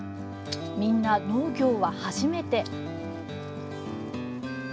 みんな農業は初めて。